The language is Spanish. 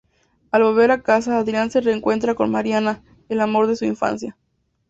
Al volver a casa, Adrián se reencuentra con Mariana, el amor de su infancia.